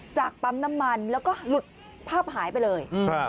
ปั๊มน้ำมันแล้วก็หลุดภาพหายไปเลย